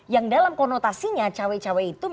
yang dalam konotasinya cawe cawe itu